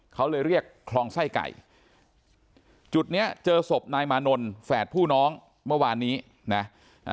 เขาเลยเรียกคลองไส้ไก่จุดเนี้ยเจอศพนายมานนท์แฝดผู้น้องเมื่อวานนี้นะ